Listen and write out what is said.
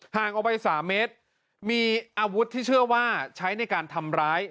ห่างออกไป๓เมตรมีอาวุธที่เชื่อว่าใช้ในการทำร้าย